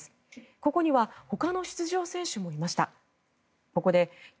ここにはほかの出場選手もいました。